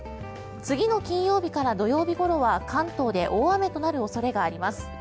次の金曜日から土曜日ごろは関東で大雨となる恐れがあります。